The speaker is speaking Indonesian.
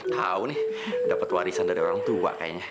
tahu nih dapat warisan dari orang tua kayaknya